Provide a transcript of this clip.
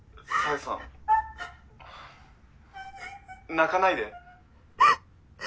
泣かないで！